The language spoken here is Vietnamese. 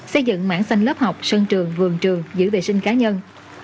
xây dựng mảng xanh lớp học sân trường vườn trường giữ vệ sinh cá nhân